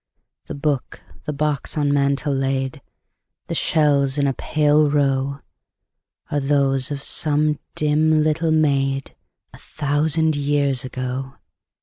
The book, the box on mantel laid, The shells in a pale row, Are those of some dim little maid, A thousand years ago.